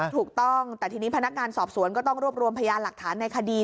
ถูกต้องแต่ทีนี้พนักงานสอบสวนก็ต้องรวบรวมพยานหลักฐานในคดี